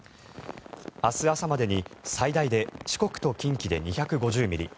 明日朝までに最大で四国と近畿で２５０ミリ